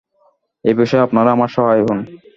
এ বিষয়ে আপনারা আমার সহায় হউন।